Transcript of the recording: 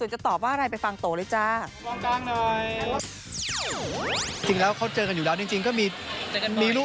จริงแล้วเค้าเจอกันอยู่แล้วจริงก็มี